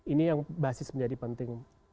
ini yang basis menjadi penting